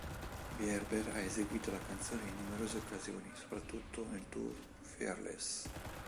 Bieber ha eseguito la canzone in numerose occasioni, soprattutto nel Tour Fearless.